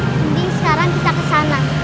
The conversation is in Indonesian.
mending sekarang kita kesana